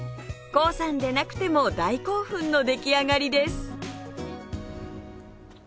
コウさんでなくても大興奮の出来上がりです